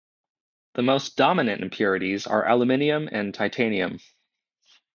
The most dominant impurities are aluminium and titanium.